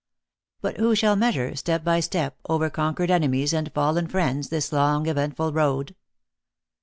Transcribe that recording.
But who shall measure, step by step, over conquered enemies and fallen friends, this long eventful road?